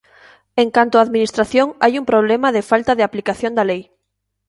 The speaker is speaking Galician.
En canto á Administración, hai un problema de falta de aplicación da lei.